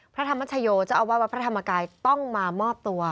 พระธรรมชโยเจ้าอาวาสวัดพระธรรมกายต้องมามอบตัว